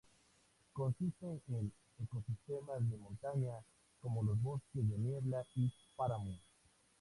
Consiste en ecosistemas de montaña, como los bosques de niebla y páramo.